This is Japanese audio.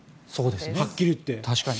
はっきり言って。